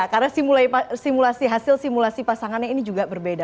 karena simulasi hasil simulasi pasangannya ini juga berbeda